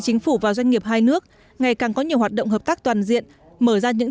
chính phủ và doanh nghiệp hai nước ngày càng có nhiều hoạt động hợp tác toàn diện mở ra những